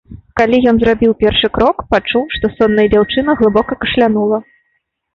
Калі ён зрабіў першы крок, пачуў, што сонная дзяўчына глыбока кашлянула.